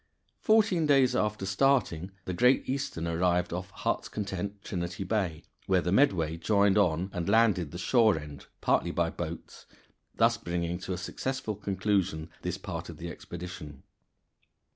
_ Fourteen days after starting the Great Eastern arrived off Heart's Content, Trinity Bay, where the Medway joined on and landed the shore end partly by boats, thus bringing to a successful conclusion this part of the expedition.